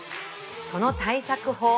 その対策法